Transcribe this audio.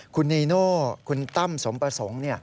คุณนีโน่คุณตั้มสมประสงค์